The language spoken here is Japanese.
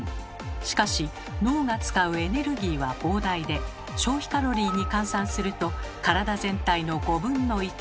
しかし脳が使うエネルギーは膨大で消費カロリーに換算すると体全体の５分の１。